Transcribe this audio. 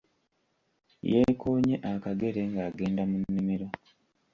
Yeekoonye akagere ng'agenda mu nnimiro.